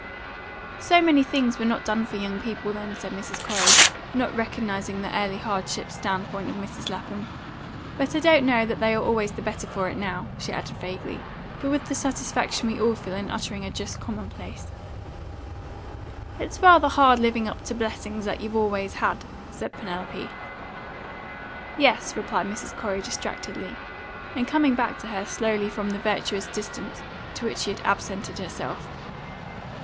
"So many things were not done for young people then," said Mrs. Corey, not recognising the early hardships standpoint of Mrs. Lapham. "But I don't know that they are always the better for it now," she added vaguely, but with the satisfaction we all feel in uttering a just commonplace. "It's rather hard living up to blessings that you've always had," said Penelope. "Yes," replied Mrs. Corey distractedly, and coming back to her slowly from the virtuous distance to which she had absented herself.